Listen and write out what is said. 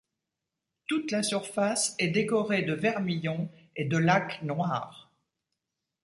Toute la surface est décorée de vermillon et de laque noire.